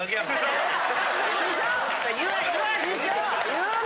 言うな！